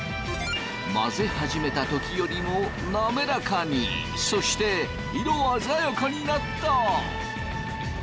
混ぜ始めた時よりも滑らかにそして色あざやかになった！